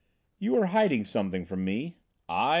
"You are hiding something from me." "I?